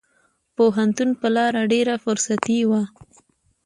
پوهنتون په لار ډېره فرصتي وه.